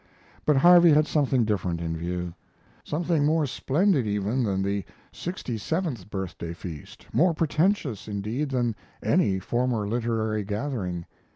But Harvey had something different in view: something more splendid even than the sixty seventh birthday feast, more pretentious, indeed, than any former literary gathering.